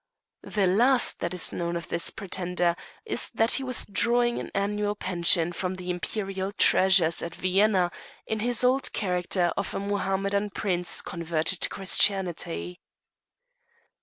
The last that is known of this pretender is that he was drawing an annual pension from the imperial treasures at Vienna in his old character of a Mohammedan prince converted to Christianity.